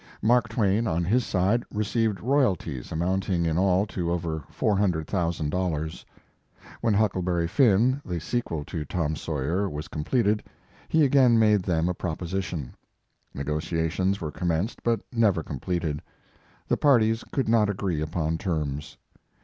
Mark Twain, on his side, received royalties amounting in all to over four hundred thousand dollars. When "Huckleberry Finn," the sequel to "Tom Sawyer," was completed, he again made them a propo sition. Negotiations were commenced but never completed. The parties could not agree upon terms.